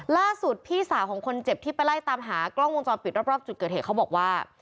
พี่สาวของคนเจ็บที่ไปไล่ตามหากล้องวงจรปิดรอบจุดเกิดเหตุเขาบอกว่า